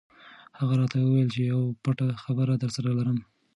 هغه راته وویل چې یوه پټه خبره درسره لرم.